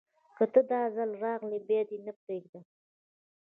که ته، داځل راغلي بیا دې نه پریږدم